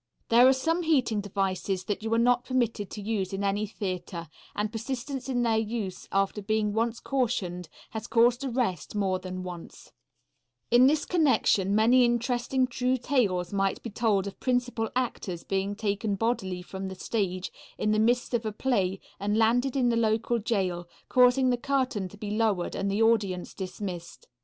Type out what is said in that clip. There are some heating devices that you are not permitted to use in any theatre, and persistence in their use after being once cautioned has caused arrest more than once. [Illustration: CLASS IN STAGE MAKEUP AT THE NED WAYBURN STUDIOS] In this connection many interesting true tales might be told of principal actors being taken bodily from the stage in the midst of a play and landed in the local jail, causing the curtain to be lowered and the audience dismissed.